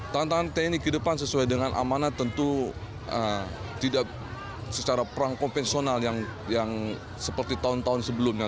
tantangan tni ke depan sesuai dengan amanat tentu tidak secara perang konvensional yang seperti tahun tahun sebelumnya